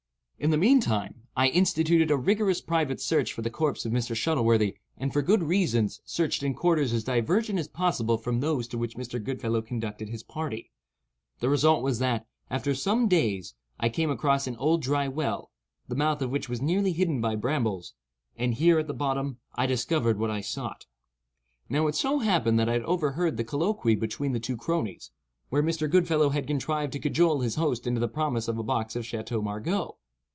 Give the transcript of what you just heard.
In the meantime, I instituted a rigorous private search for the corpse of Mr. Shuttleworthy, and, for good reasons, searched in quarters as divergent as possible from those to which Mr. Goodfellow conducted his party. The result was that, after some days, I came across an old dry well, the mouth of which was nearly hidden by brambles; and here, at the bottom, I discovered what I sought. Now it so happened that I had overheard the colloquy between the two cronies, when Mr. Goodfellow had contrived to cajole his host into the promise of a box of Chateaux Margaux.